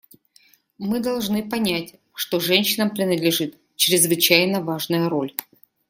Мы должны понять, что женщинам принадлежит чрезвычайно важная роль.